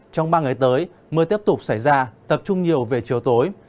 trong ba ngày tới mưa tiếp tục xảy ra tập trung nhiều về chiều tối